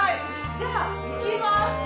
じゃいきます！